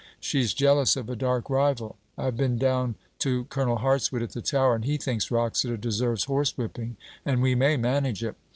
She's jealous of a dark rival. I've been down to Colonel Hartswood at the Tower, and he thinks Wroxeter deserves horsewhipping, and we may manage it.